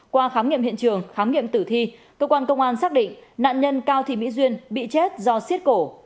qua khám nghiệm hiện trường khám nghiệm tử thi công an xác định nạn nhân cao thị mỹ duyên bị chết do siết cổ